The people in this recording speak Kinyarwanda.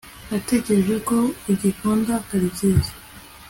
ndatekereza ko ugikunda karekezi